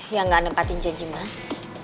yang gak nempatin janji mas